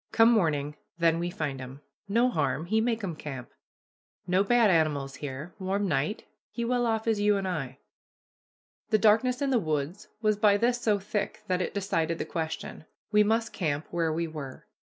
Come morning, then we find 'em. No harm he make 'em camp. No bad animals here warm night he well off as you and I." The darkness in the woods was by this so thick that it decided the question. We must camp where we were.